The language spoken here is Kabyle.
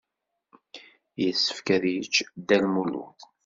Yessefk ad yečč Dda Lmulud.